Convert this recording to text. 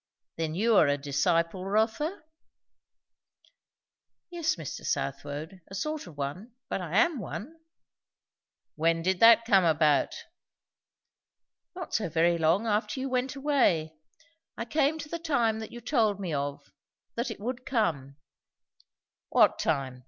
Then you are a disciple, Rotha?" "Yes, Mr. Southwode; a sort of one. But I am one." "When did that come about?" "Not so very long after you went away. I came to the time that you told me of, that it would come." "What time?